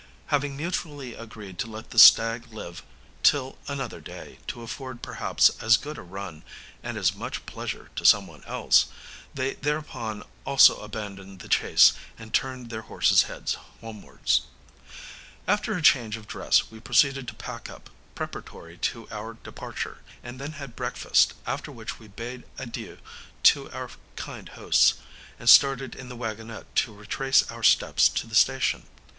Having mutually agreed to let the stag live till another day to afford perhaps as good a run and as much pleasure to some one else, they thereupon also abandoned the chase, and turned their horses' heads homewards. After a change of dress, we proceeded to pack up, preparatory to our departure, and then had breakfast, after which we bade adieu to our kind hosts, and started in the waggonette to retrace our steps to the station.